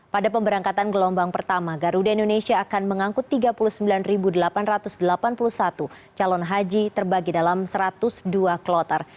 pada pemberangkatan gelombang pertama garuda indonesia akan mengangkut tiga puluh sembilan delapan ratus delapan puluh satu calon haji terbagi dalam satu ratus dua kloter